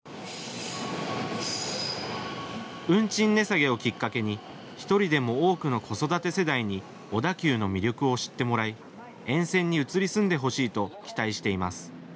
運賃値下げをきっかけに１人でも多くの子育て世代に小田急の魅力を知ってもらい沿線に移り住んでほしいと期待しています。